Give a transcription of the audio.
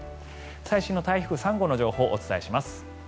最新の台風３号の情報をお伝えします。